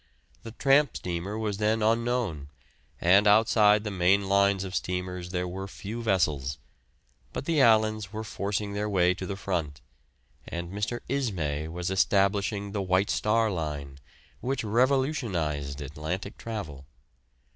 The "tramp" steamer was then unknown, and outside the main lines of steamers there were few vessels; but the Allans were forcing their way to the front, and Mr. Ismay was establishing the White Star Line, which revolutionised Atlantic travel.